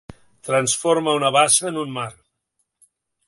Transforma una bassa en un mar.